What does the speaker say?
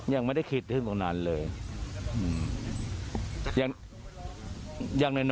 ยังไม่ได้คิดถึงตรงนั้นเลย